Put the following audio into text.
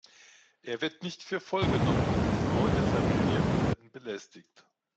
Er wird nicht für voll genommen, die Frauen der Familie werden belästigt.